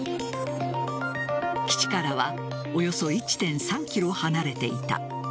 岸からはおよそ１．３ｋｍ離れていた。